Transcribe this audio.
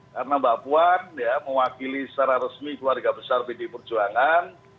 karena mbak puan mewakili secara resmi keluarga besar pd perjuangan